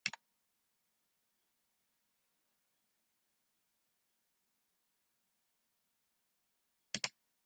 De brânwacht hat woansdei de hiele jûn oan it neidwêsten west by de winkel.